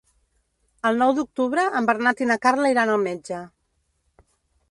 El nou d'octubre en Bernat i na Carla iran al metge.